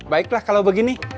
baiklah kalau begini